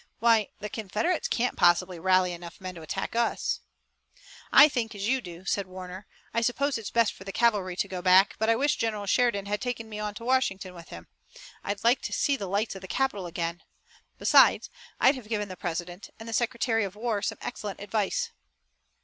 Why, the Confederates can't possibly rally enough men to attack us!" "I think as you do," said Warner. "I suppose it's best for the cavalry to go back, but I wish General Sheridan had taken me on to Washington with him. I'd like to see the lights of the capital again. Besides, I'd have given the President and the Secretary of War some excellent advice."